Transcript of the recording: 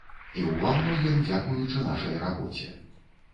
І ў ва многім дзякуючы нашай рабоце.